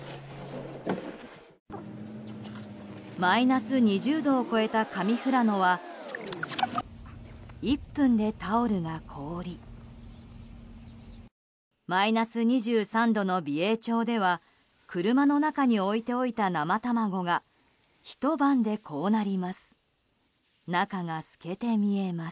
マイナス２０度を超えた上富良野は１分でタオルが凍りマイナス２３度の美瑛町では車の中に置いておいた生卵がひと晩でこうなります。